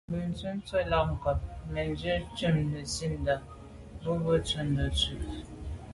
Bə̀nntʉ̌n tsə̀ bò yα̂ lɛ̌n ncob mə̀bwɔ lα ghʉ̌ cû ntʉ̀n nə̀ zi’tə bwə, mə̀bwɔ̂mə̀bwɔ ndɛ̂ncû nswə.